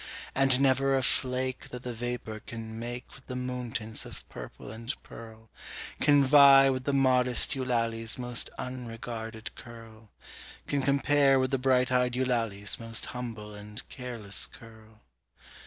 And never a flake That the vapour can make With the moon tints of purple and pearl, Can vie with the modest Eulalie's most unregarded curl Can compare with the bright eyed Eulalie's most humble and careless curl.